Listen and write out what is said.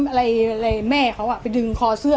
อะไรแม่เขาไปดึงคอเสื้อ